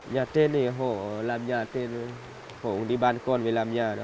nhà tên thì họ làm nhà tên họ cũng đi bán con về làm nhà đó